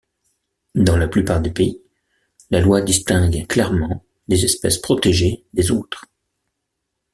Dans la plupart des pays, la loi distingue clairement les espèces protégées des autres.